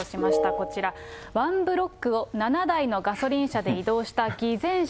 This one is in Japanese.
こちら、１ブロックを７台のガソリン車で移動した偽善者。